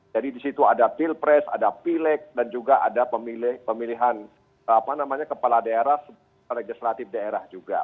jadi di situ ada pilpres ada pilek dan juga ada pemilihan apa namanya kepala daerah legislatif daerah juga